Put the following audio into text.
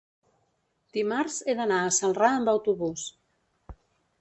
dimarts he d'anar a Celrà amb autobús.